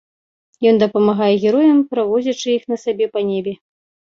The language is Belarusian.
Ён дапамагае героям, перавозячы іх на сабе па небе.